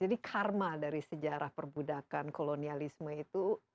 jadi karma dari sejarah perbudakan kolonialisme itu